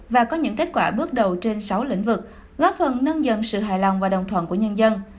và có những kết quả bước đầu trên sáu lĩnh vực góp phần nâng dần sự hài lòng và đồng thuận của nhân dân